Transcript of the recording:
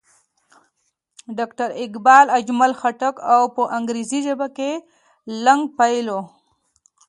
ډاکټر اقبال، اجمل خټک او پۀ انګريزي ژبه کښې لانګ فيلو